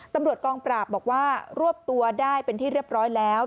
ตำรวจกองปราบบอกว่ารวบตัวได้เป็นที่เรียบร้อยแล้ว